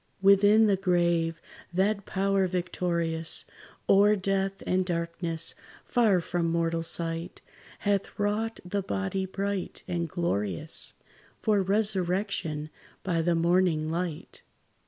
Within the grave, that power victorious O'er death and darkness, far from mortal sight, Hath wrought the body bright and glorious For resurrection by the morning light.